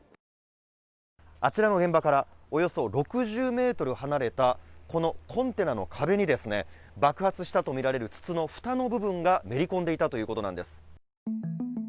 あちらの現場からおよそ６０ｍ離れた、このコンテナの壁に爆発したとみられる筒の蓋の部分がめり込んでいたということなんです。